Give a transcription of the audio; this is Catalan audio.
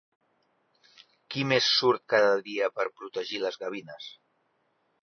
Qui més surt cada dia per protegir les gavines?